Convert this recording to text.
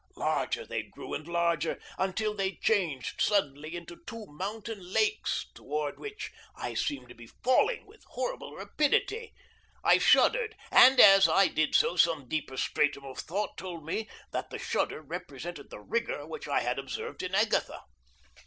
Larger they grew and larger, until they changed suddenly into two mountain lakes toward which I seemed to be falling with horrible rapidity. I shuddered, and as I did so some deeper stratum of thought told me that the shudder represented the rigor which I had observed in Agatha.